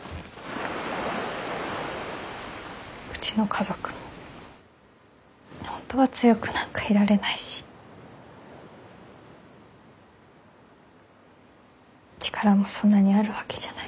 うちの家族も本当は強くなんかいられないし力もそんなにあるわけじゃない。